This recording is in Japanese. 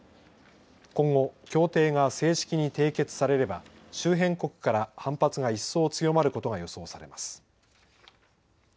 今後、協定が正式に締結されれば周辺国から反発が一層強まることが予想されます。